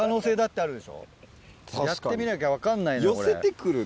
やってみなきゃ分かんないのよ。